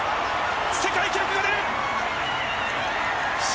世界記録が出る。